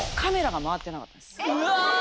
うわ！